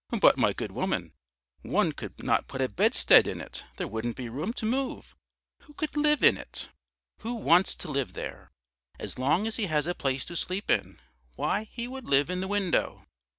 "But, my good woman, one could not put a bedstead in it; there wouldn't be room to move! Who could live in it?" "Who wants to live there! As long as he has a place to sleep in. Why, he would live in the window."